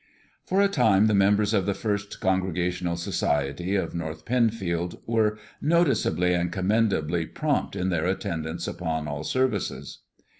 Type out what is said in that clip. For a time the members of the First Congregational Society of North Penfield were noticeably and commendably prompt in their attendance upon all services.